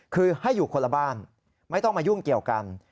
คือให้อยู่คนละบ้านไม่ต้องมายุ่งเกี่ยวกัน